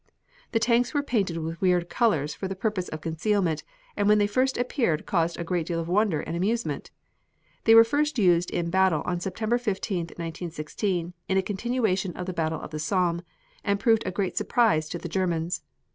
The tanks were painted with weird colors for the purpose of concealment, and when they first appeared caused a great deal of wonder and amusement. They were first used in battle on September 15, 1916, in a continuation of the battle of the Somme, and proved a great surprise to the Germans.